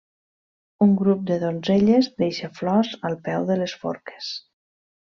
Un grup de donzelles deixa flors al peu de les forques.